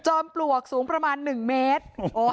ปลวกสูงประมาณ๑เมตร